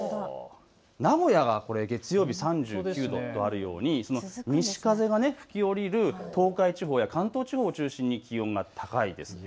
名古屋がこれ月曜日、３９度とあるように西風が吹き降りる東海地方や関東地方を中心に気温が高いです。